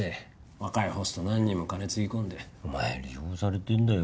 若いホスト何人も金つぎ込んでお前利用されてんだよ